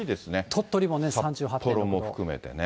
鳥取もね、札幌も含めてね。